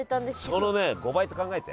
そのね５倍と考えて。